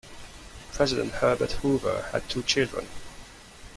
President Herbert Hoover had two children.